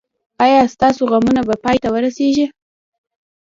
ایا ستاسو غمونه به پای ته ورسیږي؟